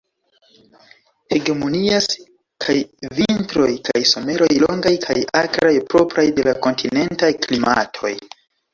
Hegemonias kaj vintroj kaj someroj longaj kaj akraj, propraj de la kontinentaj klimatoj.